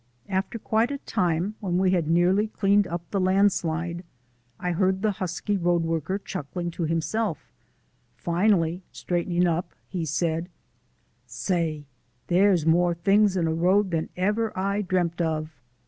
After quite a time, when we had nearly cleaned up the landslide, I heard the husky road worker chuckling to himself; finally, straightening up, he said: "Say, there's more things in a road than ever I dreamt of."